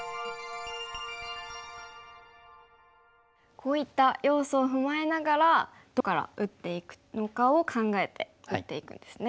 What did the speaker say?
こういった要素を踏まえながらどこから打っていくのかを考えて打っていくんですね。